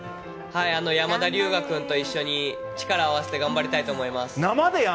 山田龍芽君と一緒に力を合わせて頑張りたいと思います。